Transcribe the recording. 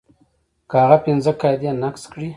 که هغه پنځه قاعدې نقض کړي.